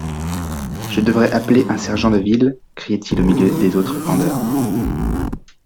Je devrais appeler un sergent de ville, criait-il au milieu des autres vendeurs.